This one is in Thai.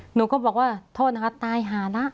หนูก็บอกว่าโทษนะคะตายหาแล้ว